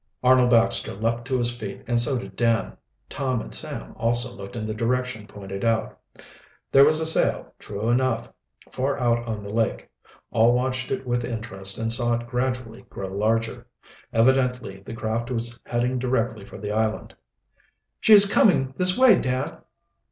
Arnold Baxter leaped to his feet, and so did Dan. Tom and Sam also looked in the direction pointed out. There was a sail, true enough, far out on the lake. All watched it with interest and saw it gradually grow larger. Evidently the craft was heading directly for the island. "She is coming this way, dad!"